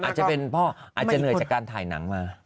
อาจจะเป็นพ่ออาจจะเหนื่อยจากการถ่ายหนังมา